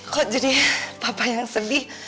kok jadi papa yang sedih